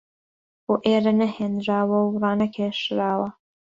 بۆ ئێرە نەهێنراوە و ڕانەکێشراوە